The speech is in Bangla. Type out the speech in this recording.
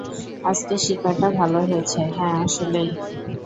আজকে শিকারটা ভালো হয়েছে, হ্যাঁ আসলেই!